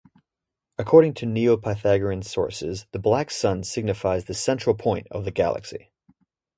According to neopythagorean sources, the Black Sun signifies the central point of the Galaxy.